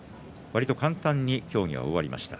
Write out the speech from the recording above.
わりと簡単に協議が終わりました。